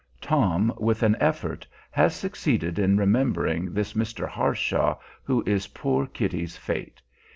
Tom, with an effort, has succeeded in remembering this Mr. Harshaw who is poor Kitty's fate.